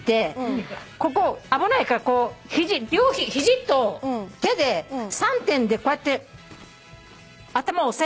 ここ危ないからこう両肘と手で三点でこうやって頭を押さえるんだって。